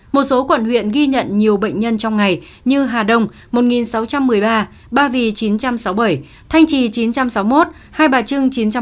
một số quận huyện ghi nhận nhiều bệnh nhân trong ngày như hà đông một sáu trăm một mươi ba ba vì chín trăm sáu mươi bảy thanh trì chín trăm sáu mươi một hai bà trưng chín trăm bốn mươi sáu đống đa chín trăm linh tám